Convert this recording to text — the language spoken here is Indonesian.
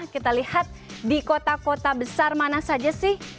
kita lihat di kota kota besar mana saja sih